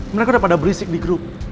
mereka udah pada berisik di grup